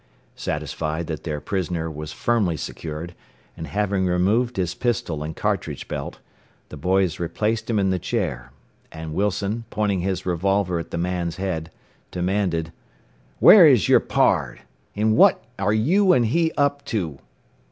Satisfied that their prisoner was firmly secured, and having removed his pistol and cartridge belt, the boys replaced him in the chair, and Wilson, pointing his revolver at the man's head, demanded, "Where is your pard? And what are you and he up to?"